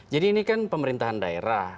jadi ini kan pemerintahan daerah